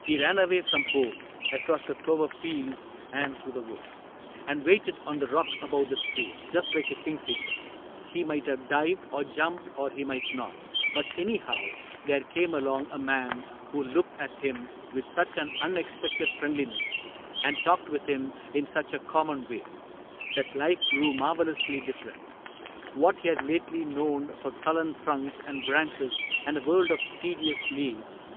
He ran away from home. Across the clover fields and through the woods, CAPTAIN CRAIG 7 And waited on the rock above the stream, Just like a kingfisher. He might have dived, Or jumped, or he might not ; but anyhow, There came along a man who looked at him With such an unexpected friendliness, And talked with him in such a common way, That life grew marvelously different : What he had lately known for sullen trunks And branches, and a world of tedious leaves.